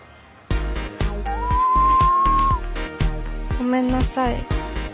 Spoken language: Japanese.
ごめんなさい。